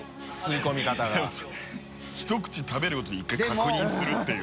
圍函ひと口食べるごとに１回確認するっていう。